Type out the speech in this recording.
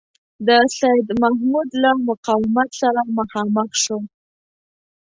د سیدمحمود له مقاومت سره مخامخ شو.